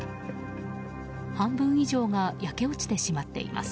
半分以上が焼け落ちてしまっています。